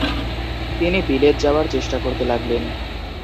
তিনি বিলেত যাওয়ার চেষ্টা করতে লাগলেন।